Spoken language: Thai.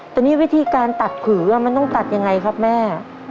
แต่นี่วิธีการตัดผือมันต้องตัดยังไงครับแม่